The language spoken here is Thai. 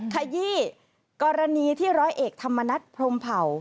ขยี้กรณีที่ร้อยเอกธรรมนัฐพรมเผ่า